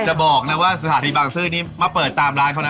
บอกนะว่าสถานีบางซื้อนี่มาเปิดตามร้านเขานะ